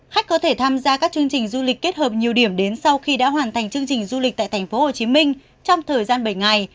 khách có thể tham gia các chương trình du lịch kết hợp nhiều điểm đến sau khi đã hoàn thành chương trình du lịch tại tp hcm trong thời gian bảy ngày